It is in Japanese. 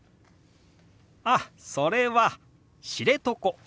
あっそれは「知床」。